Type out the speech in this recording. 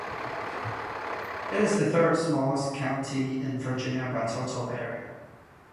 It is the third-smallest county in Virginia by total area.